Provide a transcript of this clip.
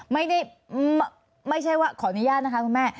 ไม่ใช่ว่าขออนุญาตนะคะคุณแม่